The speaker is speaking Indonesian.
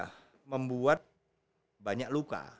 ibu saya membuat banyak luka